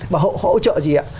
và họ hỗ trợ gì ạ